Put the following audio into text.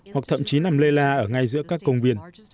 hoặc thậm chí nằm lê la ở ngay giữa các công viên